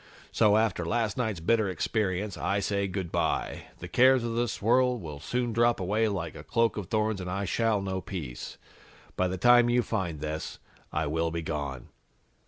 So, after last night's bitter experience, I say good by. The cares of this world will soon drop away like a cloak of thorns and I shall know peace. By the time you find this, I will be gone.'"